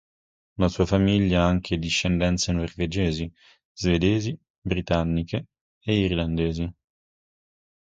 La sua famiglia ha anche discendenze norvegesi, svedesi, britanniche e irlandesi.